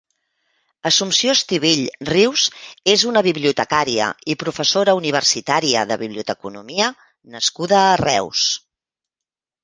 Assumpció Estivill Rius és una bibliotecària i professora universitària de biblioteconomia nascuda a Reus.